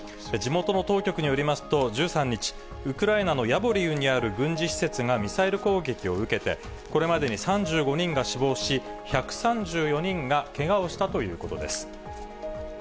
地元の当局によりますと、１３日、ウクライナのヤボリウにある軍事施設がミサイル攻撃を受けて、これまでに３５人が死亡し、１３４人がけがをしたということです。